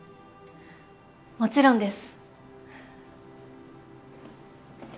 もちろんです。